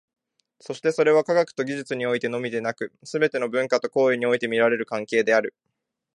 そしてそれは、科学と技術においてのみでなく、すべての文化と行為において見られる関係である。